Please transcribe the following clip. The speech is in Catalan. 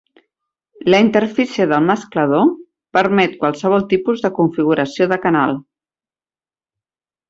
La interfície del mesclador permet qualsevol tipus de configuració de canal.